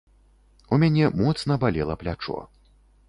У мяне моцна балела плячо.